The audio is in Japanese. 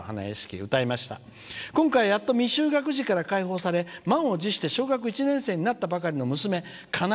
今回、未就学児から解放され満を持して小学１年生になったばかりの娘かな